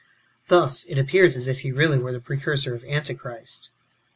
Thus it appears as if he really were the precursor of Antichrist.